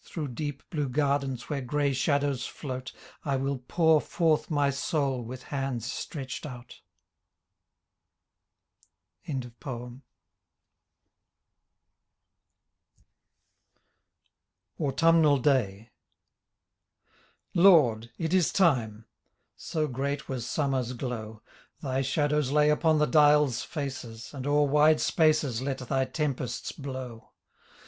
Through deep blue gardens where gray shadows float I will pour forth my soul with hands stretched out .. 21 AUTUMNAL DAY Lord! It is time. So great was Summer's glow: Thy shadows lay upon the dials' faces And o'er wide spaces let thy tempests blow.